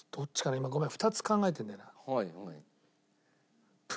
今ごめん２つ考えてるんだよな。